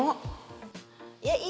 kamu ngomel di yian sih